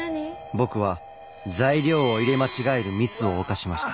僕は材料を入れ間違えるミスを犯しました。